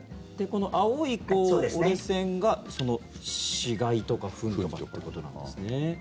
この青い折れ線がその死骸とかフンということなんですね。